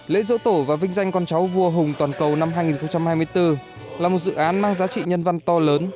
lễ dỗ tổ và vinh danh con cháu vua hùng toàn cầu năm hai nghìn hai mươi bốn là một dự án mang giá trị nhân văn to lớn